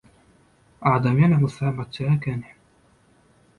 Adam ýene gussa batjak ekeni.